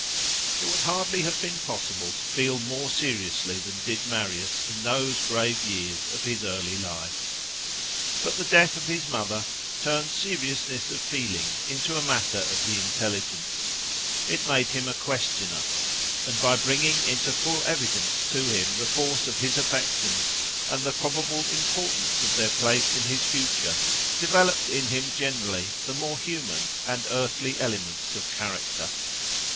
It would hardly have been possible to feel more seriously than did Marius in those grave years of his early life. But the death of his mother turned seriousness of feeling into a matter of the intelligence: it made him a questioner; and, by bringing into full evidence to him the force of his affections and the probable importance of their place in his future, developed in him generally the more human and earthly elements of character.